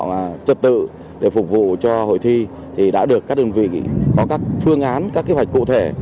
và trật tự để phục vụ cho hội thi thì đã được các đơn vị có các phương án các kế hoạch cụ thể